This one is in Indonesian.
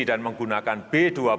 dan menggunakan b dua puluh